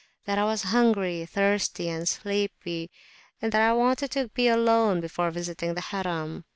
that I was hungry, thirsty, and sleepy, and that I wanted to be alone before visiting the Harim.